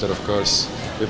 itu faktor utama